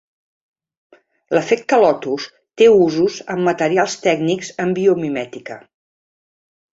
L'efecte lotus té usos en materials tècnics en biomimètica.